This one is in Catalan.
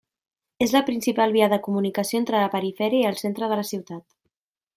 És la principal via de comunicació entre la perifèria i el centre de la ciutat.